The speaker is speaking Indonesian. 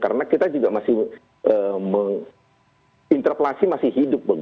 karena kita juga masih menginterpelasi masih hidup